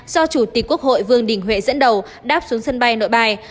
do chủ tịch quốc hội vương đình huệ dẫn đầu đáp xuống sân bay nội bài